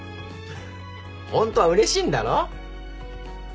ホントはうれしいんだろ？